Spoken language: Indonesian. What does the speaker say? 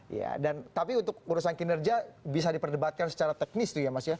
iya dan tapi untuk urusan kinerja bisa diperdebatkan secara teknis tuh ya mas ya